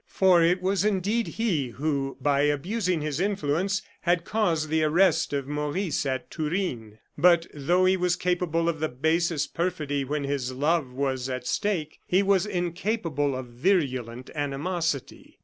For it was indeed he who, by abusing his influence, had caused the arrest of Maurice at Turin. But though he was capable of the basest perfidy when his love was at stake, he was incapable of virulent animosity.